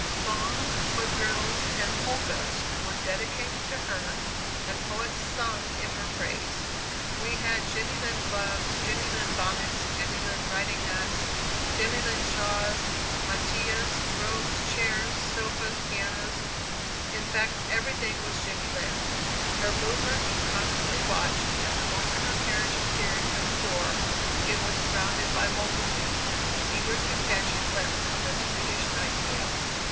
Songs, quadrilles and polkas were dedicated to her, and poets sung in her praise. We had Jenny Lind gloves, Jenny Lind bonnets, Jenny Lind riding hats, Jenny Lind shawls, mantillas, robes, chairs, sofas, pianos in fact, every thing was Jenny Lind. Her movements were constantly watched, and the moment her carriage appeared at the door, it was surrounded by multitudes, eager to catch a glimpse of the Swedish Nightingale.